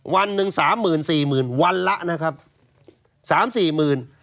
วันหนึ่งสามหมื่นสี่หมื่นวันละนะครับสามสี่หมื่น